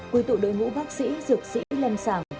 quy tụ đội ngũ bác sĩ dược sĩ lâm sàng